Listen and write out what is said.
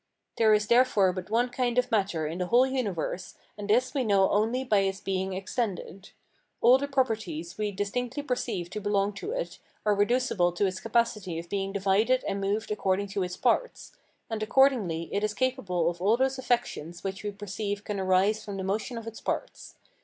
There is therefore but one kind of matter in the whole universe, and this we know only by its being extended. All the properties we distinctly perceive to belong to it are reducible to its capacity of being divided and moved according to its parts; and accordingly it is capable of all those affections which we perceive can arise from the motion of its parts.